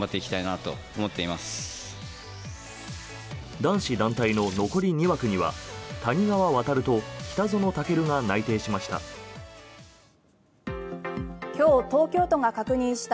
男子団体の残り２枠には谷川航と北園丈琉が内定しました。